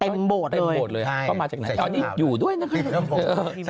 แล้วก็มาจากไหนอยู่ด้วยนั่นค่ะ